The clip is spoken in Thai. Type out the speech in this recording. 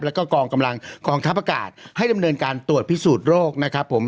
แล้วก็กองกำลังกองทัพอากาศให้ดำเนินการตรวจพิสูจน์โรคนะครับผม